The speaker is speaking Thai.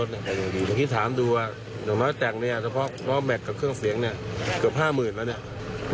เมื่อกี้ถามดูว่าแถ่งแม็กซ์กับเครื่องเสียงเกือบ๕๐๐๐๐บาทแล้ว